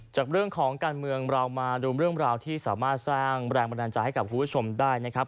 จากเรื่องของการเมืองเรามาดูเรื่องราวที่สามารถสร้างแรงบันดาลใจให้กับคุณผู้ชมได้นะครับ